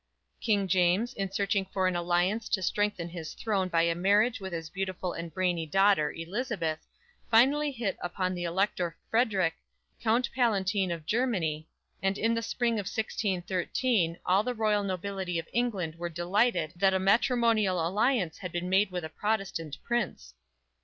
_ King James, in searching for an alliance to strengthen his throne by a marriage with his beautiful and brainy daughter, Elizabeth, finally hit upon the Elector Frederick, Count Palatine of Germany, and in the spring of 1613 all the loyal nobility of England were delighted that a matrimonial alliance had been made with a Protestant prince.